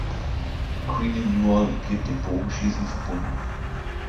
Queenie Newall blieb dem Bogenschießen verbunden.